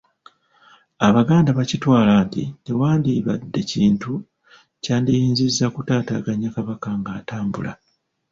Abaganda bakitwala nti tewandibadde kintu kyandiyinzizza kutaataaganya Kabaka ng’atambula.